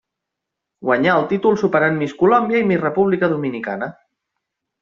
Guanyà el títol superant Miss Colòmbia i Miss República Dominicana.